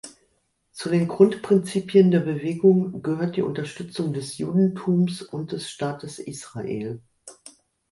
Zu den Grundprinzipien der Bewegung gehört die Unterstützung des Judentums und des Staates Israel.